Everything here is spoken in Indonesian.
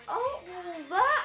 oh mbah mbah